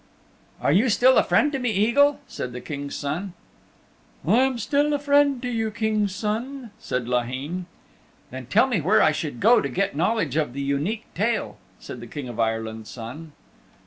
"Are you still a friend to me, Eagle?" said the King's Son. "I am still a friend to you, King's Son," said Laheen. "Then tell me where I should go to get knowledge of the Unique Tale," said the King of Ireland's Son.